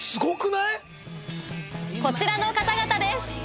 こちらの方々です！